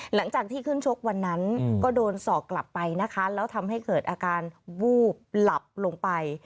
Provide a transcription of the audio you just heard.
หลังจากที่ขึ้นชกวันนั้นก็โดนสอกกลับไปนะคะแล้วทำให้เกิดอาการวูบหลับลงไป